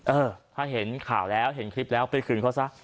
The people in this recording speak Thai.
เออถ้าเห็นข่าวแล้วเห็นคลิปแล้วไปคืนเขาซะ